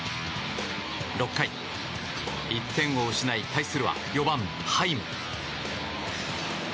６回、１点を失い対するは４番、ハイム。